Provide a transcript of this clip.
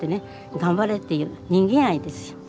頑張れっていう人間愛ですよ。